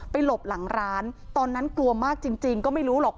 หลบหลังร้านตอนนั้นกลัวมากจริงก็ไม่รู้หรอก